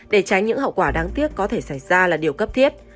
để tránh những hậu quả đáng tiếc có thể xảy ra là điều cấp thiết